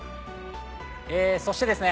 そしてですね